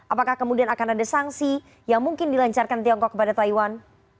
apakah kemudian akan ada sanksi yang mungkin dilancarkan tiongkok kepada taiwan